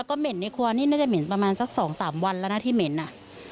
ก็เหม็นในครัวนี่น่าจะเหม็นประมาณสัก๒๓วันแล้วนะที่เหม็นอ่ะ